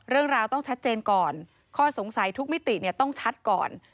เรื่องราวต้องชัดเจนก่อนข้อสงสัยทุกมิติต้องชัดก่อน